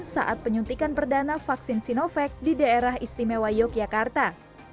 saat penyuntikan perdana vaksin sinovac di daerah istimewa yogyakarta